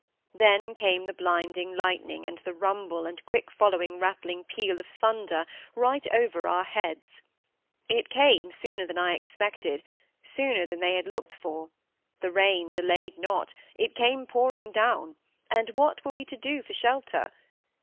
Then came the blinding lightning and the rumble and quick following rattling peal of thunder right over our heads. It came sooner than I expected, sooner than they had looked for: the rain delayed not; it came pouring down; and what were we to do for shelter?